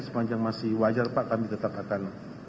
sepanjang masih wajar pak kami tetap akan